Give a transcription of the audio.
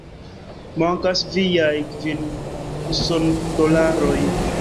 Mankas viaj kvin usondolaroj